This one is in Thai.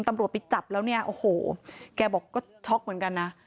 ตำรวจไปจับแล้วเนี่ยโอ้โหแกบอกก็ช็อกเหมือนกันนะ